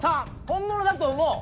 本物だと思う。